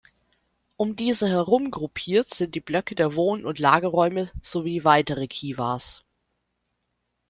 Um diese herum gruppiert sind die Blöcke der Wohn- und Lagerräume sowie weitere Kivas.